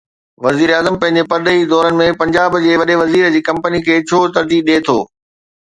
وزير اعظم پنهنجي پرڏيهي دورن ۾ پنجاب جي وڏي وزير جي ڪمپني کي ڇو ترجيح ڏئي ٿو؟